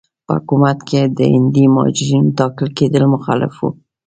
په حکومت کې د هندي مهاجرینو ټاکل کېدل مخالف وو.